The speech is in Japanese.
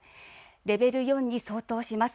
レベル４に相当します。